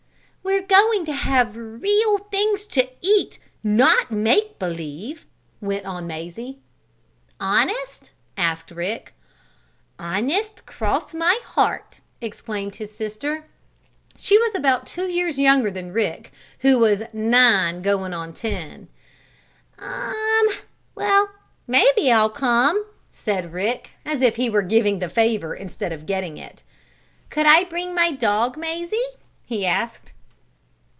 "We're goin' to have real things to eat not make believe!" went on Mazie. "Honest?" asked Rick. "Honest cross my heart!" exclaimed his sister. She was about two years younger than Rick, who was "nine goin' on ten." "Um! Well, maybe I'll come," said Rick, as if he were giving the favor, instead of getting it. "Could I bring my dog, Mazie?" he asked.